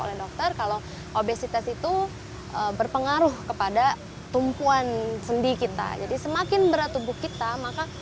oleh dokter kalau obesitas itu berpengaruh kepada tumpuan sendi kita jadi semakin berat tubuh kita maka